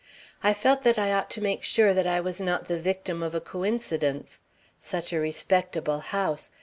I felt that I ought to make sure that I was not the victim of a coincidence. Such a respectable house!